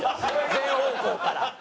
全方向から。